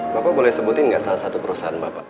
bapak boleh sebutin nggak salah satu perusahaan bapak